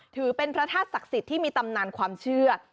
ถือเป็นพระธาตุศักดิ์สิทธิ์ที่มีตำนานความเชื่อ